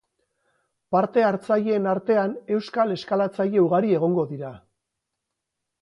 Parte hartzaileen artean euskal eskalatzaile ugari egongo dira.